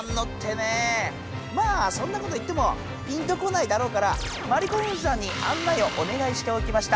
まあそんなこと言ってもピンとこないだろうからまりこふんさんにあんないをおねがいしておきました。